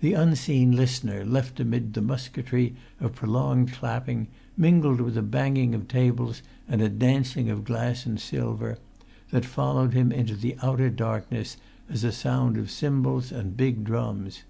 The unseen listener left amid the musketry of prolonged clapping, mingled with a banging of tables, and a dancing of glass and silver, that followed him into the outer darkness as a sound of cymbals and big drums.